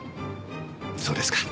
そうですか。